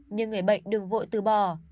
nhưng người bệnh đừng vội từ bỏ